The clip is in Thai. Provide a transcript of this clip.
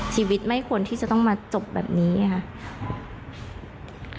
ชีวิตไม่ควรที่จะต้องมาจบแบบนี้ค่ะ